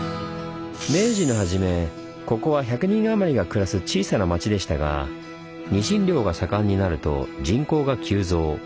明治の初めここは１００人あまりが暮らす小さな町でしたがニシン漁が盛んになると人口が急増。